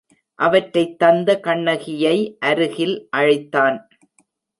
அவற்றைத் தந்த கண்ணகியை அருகில் அழைத்தான்.